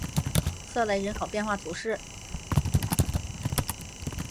瑟雷人口变化图示